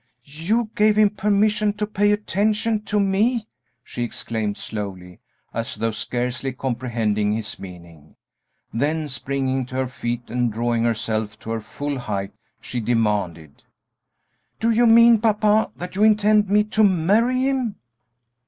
"You gave him permission to pay attention to me!" she exclaimed, slowly, as though scarcely comprehending his meaning; then, springing to her feet and drawing herself to her full height, she demanded, "Do you mean, papa, that you intend me to marry him?"